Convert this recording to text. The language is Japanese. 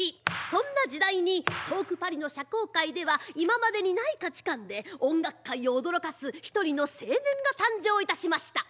そんな時代に遠くパリの社交界では今までにない価値観で音楽界を驚かす１人の青年が誕生いたしました。